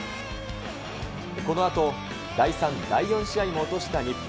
このあと、第３、第４試合も落とした日本。